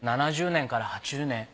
７０年から８０年。